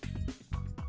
cảm ơn quý vị đã theo dõi